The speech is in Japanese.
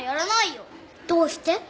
どうしても。